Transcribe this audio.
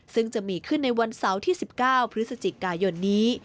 ซึ่งจะมีขึ้นในวันเสาร์ที่๑๙พฤศจิกายนนี้